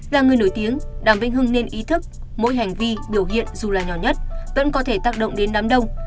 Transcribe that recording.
là người nổi tiếng đảng viên hưng nên ý thức mỗi hành vi biểu hiện dù là nhỏ nhất vẫn có thể tác động đến đám đông